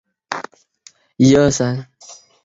腺齿铁角蕨为铁角蕨科铁角蕨属下的一个种。